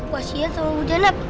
kasian sama bu janet